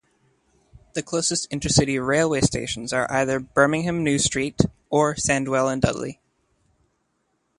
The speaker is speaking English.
The closest 'intercity' railway stations are either Birmingham New Street or Sandwell and Dudley.